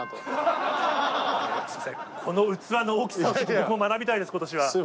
この器の大きさ僕も学びたいです今年は。